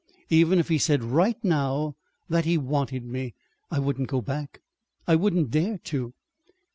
Even if he said right now that he wanted me, I wouldn't go back. I wouldn't dare to.